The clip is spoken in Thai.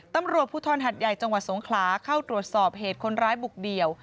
ตำรวจภูทรหัดใหญ่จังหวัดสงขลาเข้าตรวจสอบเหตุคนร้ายบุกเดี่ยว